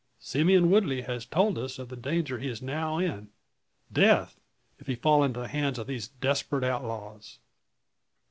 Simeon Woodley has told us of the danger he is now in death if he fall into the hands of these desperate outlaws.